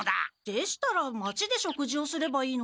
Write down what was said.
でしたら町で食事をすればいいのでは？